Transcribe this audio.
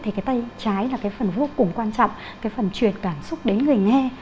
thì cái tay trái là cái phần vô cùng quan trọng cái phần truyền cảm xúc đến người nghe